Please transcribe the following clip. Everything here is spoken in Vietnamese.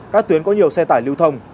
các tuyến có nhiều xe tải lưu thông